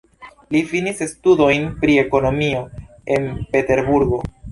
Li finis studojn pri ekonomio en Peterburgo.